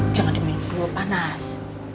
jangan diminum buah panas